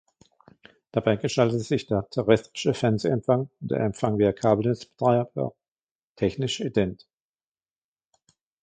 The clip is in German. Dabei gestaltete sich der terrestrische Fernsehempfang und der Empfang via Kabelnetzbetreiber technisch ident.